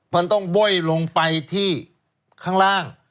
มันต้องบ้อยลงไปที่ข้างล่าง